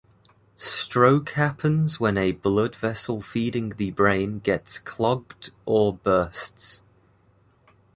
Stroke happens when a blood vessel feeding the brain gets clogged or bursts.